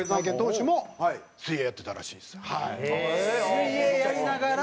水泳やりながら。